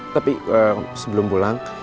tapi sebelum pulang